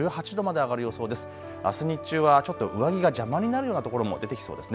あす日中はちょっと上着が邪魔になるようなところも出てきそうですね。